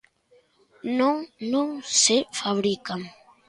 ¡Non, non se fabrican!